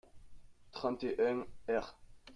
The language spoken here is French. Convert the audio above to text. trente et un, r.